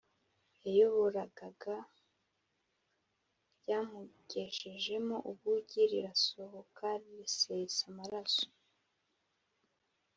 Yaborogaga ryamugejejemo ubugi rirasohoka risesa amaraso,